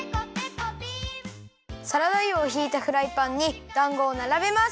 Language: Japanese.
サラダ油をひいたフライパンにだんごをならべます。